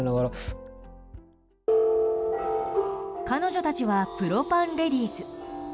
彼女たちはプロパンレディース。